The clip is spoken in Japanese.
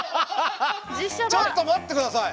ちょっと待って下さい。